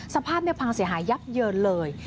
สภาพพังเสียหายยับเยินเลย